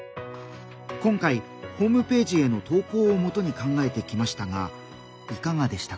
今回ホームページへの投稿をもとに考えてきましたがいかがでしたか？